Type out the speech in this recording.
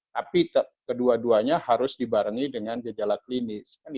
tapi kedua duanya harus dibarengi dengan gejala klinis